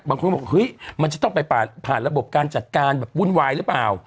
บางคนก็บอกเฮ้ยมันจะต้องไปผ่านระบบการจัดการแบบวุ่นวายหรือเปล่า